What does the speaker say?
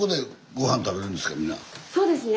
そうですね